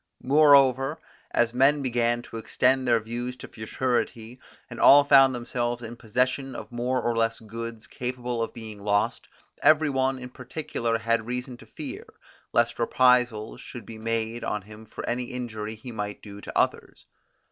Moreover, as men began to extend their views to futurity, and all found themselves in possession of more or less goods capable of being lost, every one in particular had reason to fear, lest reprisals should be made on him for any injury he might do to others.